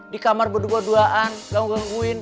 di kamar berdua duaan ganggu gangguin